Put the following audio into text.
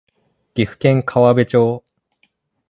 岐阜県川辺町